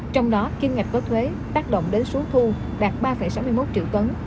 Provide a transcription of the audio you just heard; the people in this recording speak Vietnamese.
trong đó kim ngạch có thuế tác động đến số thu đạt ba sáu mươi một triệu tấn